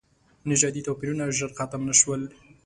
نژادي توپیرونه ژر ختم نه شول.